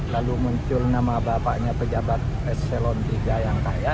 lalu muncul nama bapaknya pejabat eselon iii yang kaya